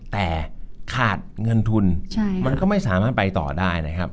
แต่ขาดเงินทุนมันก็ไม่สามารถไปต่อได้นะครับ